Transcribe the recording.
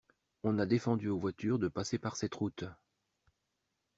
On a défendu aux voitures de passer par cette route.